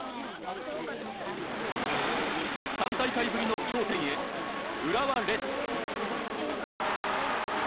３大会ぶりの頂点へ浦和レッズ。